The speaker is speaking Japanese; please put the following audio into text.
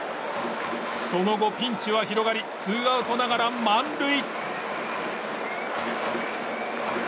その後、ピンチは広がりツーアウトながら満塁。